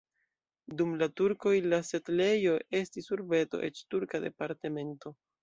Dum la turkoj la setlejo estis urbeto, eĉ turka departemento.